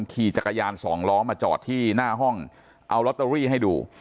ขี่จักรยานสองล้อมาจอดที่หน้าห้องเอาลอตเตอรี่ให้ดู